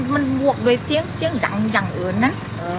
สุดท้ายสุดท้ายสุดท้าย